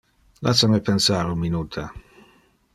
Lassa me pensar un minuta.